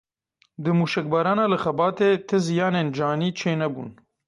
Di mûşekbarana li Xebatê ti ziyanên canî çê nebûn.